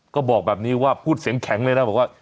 ก็บอกแบบนี้ว่าพูดเสียงแข็งเลยนะบอกว่า